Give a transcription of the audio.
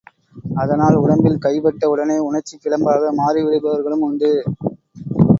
அதனால், உடம்பில் கைபட்ட உடனே உணர்ச்சிப் பிழம்பாக மாறி விடுபவர்களும் உண்டு.